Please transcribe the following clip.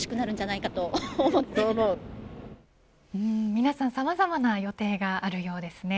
皆さんさまざまな予定があるようですね。